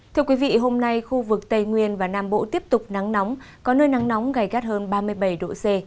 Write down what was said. thưa quý vị hôm nay khu vực tây nguyên và nam bộ tiếp tục nắng nóng có nơi nắng nóng gây gắt hơn ba mươi bảy độ c